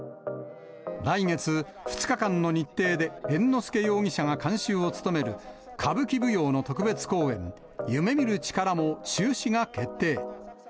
来月、２日間の日程で猿之助容疑者が監修を務める歌舞伎舞踊の特別公演、夢見る力も中止が決定。